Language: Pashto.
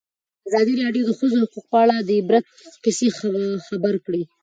ازادي راډیو د د ښځو حقونه په اړه د عبرت کیسې خبر کړي.